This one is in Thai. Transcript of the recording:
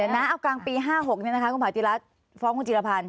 เดี๋ยวนะเอากลางปี๕๖นี่นะคะคุณผาติรัสฟ้องคุณจิลภัณฑ์